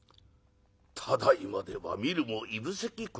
ただいまでは見るもいぶせき